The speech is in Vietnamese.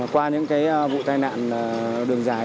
qua những cái vụ tai nạn đường dài